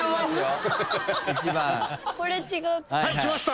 これ違う。